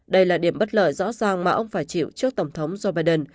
đây là điểm bất lợi rõ ràng mà ông phải chịu trước tổng thống joe biden